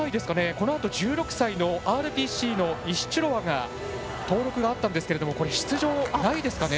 このあと、１６歳のＲＰＣのイシチュロワが登録があったんですが出場がないですかね。